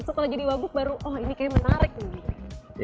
setelah jadi wagub baru oh ini kayaknya menarik nih